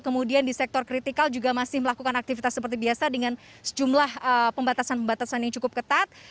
kemudian di sektor kritikal juga masih melakukan aktivitas seperti biasa dengan sejumlah pembatasan pembatasan yang cukup ketat